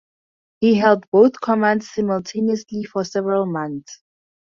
He held both commands simultaneously for several months.